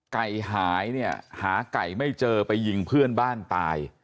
ไก่หายเนี่ยหาไก่ไม่เจอไปยิงเพื่อนบ้านตาย